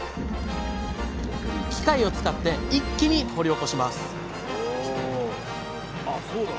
機械を使って一気に掘り起こします！